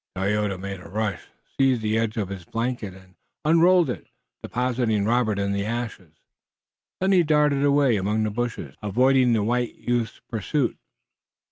Tayoga made a rush, seized the edge of his blanket and unrolled it, depositing Robert in the ashes. Then he darted away among the bushes, avoiding the white youth's pursuit.